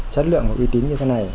chất lượng và uy tín như thế này